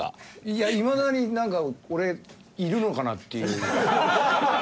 いやいまだになんか俺いるのかな？っていう。